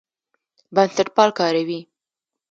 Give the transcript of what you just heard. بنسټپال کاروي.